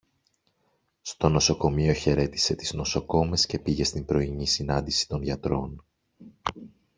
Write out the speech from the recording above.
Στο νοσοκομείο χαιρέτισε τις νοσοκόμες και πήγε στην πρωινή συνάντηση των γιατρών